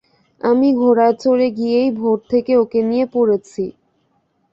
আমি ঘোড়ায় চড়ে গিয়েই ভোর থেকে ওঁকে নিয়ে পড়েছি।